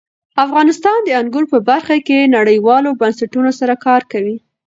افغانستان د انګور په برخه کې نړیوالو بنسټونو سره کار کوي.